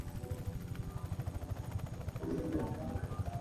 Pilau masala Vijiko vya chakula nne